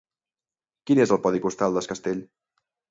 Quin és el codi postal d'Es Castell?